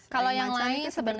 kalau yang lain sebenarnya